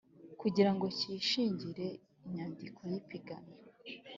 kugira ngo cyishingire inyandiko y ipiganwa